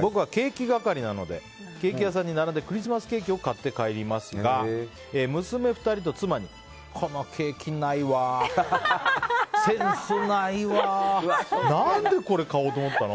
僕はケーキ係なのでケーキ屋さんに並んでクリスマスケーキを買って帰りますが娘２人と妻にこのケーキないわセンスないわ何でこれ買おうと思ったの？